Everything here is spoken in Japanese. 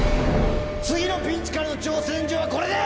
次のピンチからの挑戦状はこれだ！